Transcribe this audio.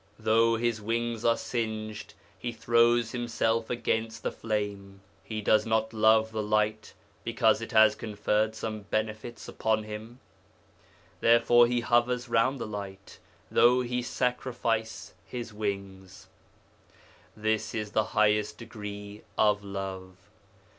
Though his wings are singed, he throws himself against the flame. He does not love the light because it has conferred some benefits upon him. Therefore he hovers round the light, though he sacrifice his wings. This is the highest degree of love.